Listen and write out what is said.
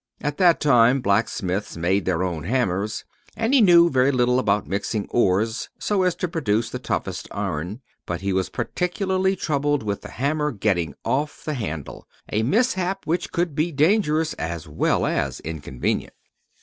At that time blacksmiths made their own hammers, and he knew very little about mixing ores so as to produce the toughest iron. But he was particularly troubled with the hammer getting off the handle, a mishap which could be dangerous as well as inconvenient.